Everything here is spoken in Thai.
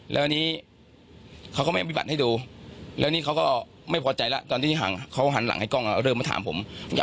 แล้วอันนี้เขาก็ไม่มีบัตรให้ดูแล้วนี่เขาก็ไม่พอใจแล้วตอนที่เขาหันหลังให้กล้องเริ่มมาถามผม